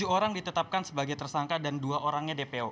tujuh orang ditetapkan sebagai tersangka dan dua orangnya dpo